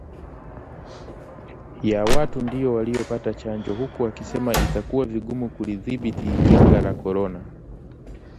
ya watu ndio waliopata chanjo huku akisema itakuwa vigumu kulidhibiti janga la korona